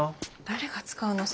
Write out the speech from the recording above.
誰が使うの？